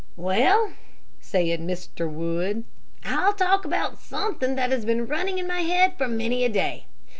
"Well," said Mr. Wood, "I'll talk about something that has been running in my head for many a day.